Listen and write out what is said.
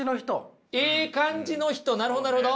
なるほどなるほど。